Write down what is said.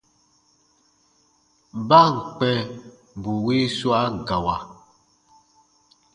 Ba ǹ kpɛ̃ bù wii swa gawa,